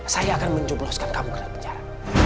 saya akan menjumloskan kamu kena penjara